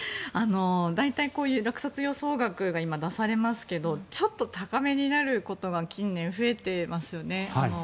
大体、こういう落札予想額が今、出されますがちょっと高めになることが近年増えていますよね。